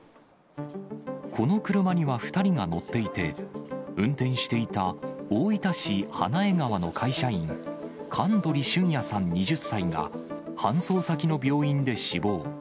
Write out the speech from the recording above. この車には２人が乗っていて、運転していた大分市花江川の会社員、神鳥俊也さん２０歳が、搬送先の病院で死亡。